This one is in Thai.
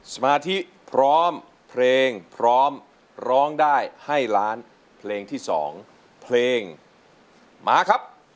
สมาธิพร้อมเพลงพร้อมร้องได้ให้ล้านเพลงที่๒เพลงมาครับ